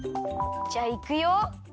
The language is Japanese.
じゃあいくよ。